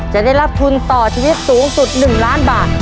จะได้รับทุนต่อชีวิตสูงสุด๑ล้านบาท